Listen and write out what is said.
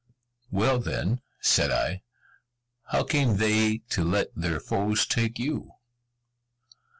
"Well, then," said I, "How came they to let their foes take you?"